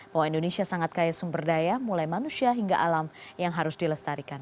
bahwa indonesia sangat kaya sumber daya mulai manusia hingga alam yang harus dilestarikan